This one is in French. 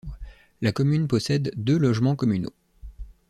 La commune possède deux logements communaux.